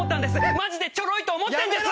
マジでチョロいと思ったんです！